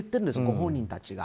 本人たちが。